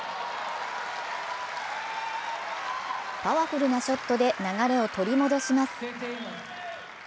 パワフルなショットで流れを取り戻します。